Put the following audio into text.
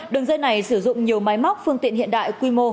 đường dây này sử dụng nhiều máy móc phương tiện hiện đại quy mô